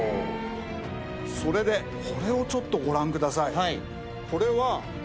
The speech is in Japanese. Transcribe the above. それでこれをちょっとご覧ください。